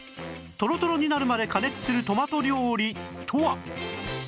とろとろになるまで加熱するトマト料理とは？